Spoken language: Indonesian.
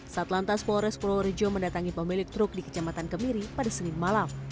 satlantas polres purworejo mendatangi pemilik truk di kecamatan kemiri pada senin malam